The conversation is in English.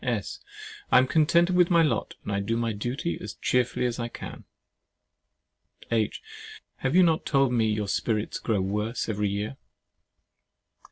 S. I am contented with my lot, and do my duty as cheerfully as I can. H. Have you not told me your spirits grow worse every year?